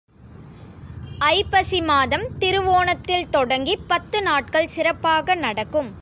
ஐப்பசி மாதம் திருவோணத்தில் தொடங்கிப் பத்து நாட்கள் சிறப்பாக நடக்கும்.